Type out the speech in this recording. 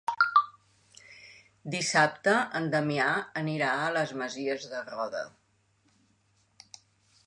Dissabte en Damià anirà a les Masies de Roda.